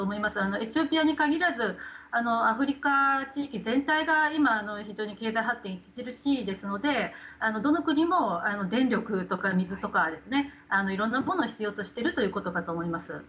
エチオピアに限らずアフリカ地域全体が今、非常に経済発展が著しいですのでどの国も電力とか水とかいろんなものを必要としているということだと思います。